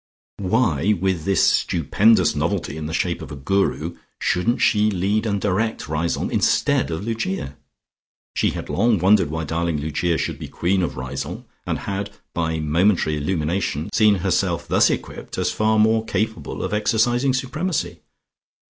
Why with this stupendous novelty in the shape of a Guru shouldn't she lead and direct Riseholme instead of Lucia? She had long wondered why darling Lucia should be Queen of Riseholme, and had, by momentary illumination, seen herself thus equipped as far more capable of exercising supremacy.